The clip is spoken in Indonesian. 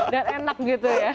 dan enak gitu ya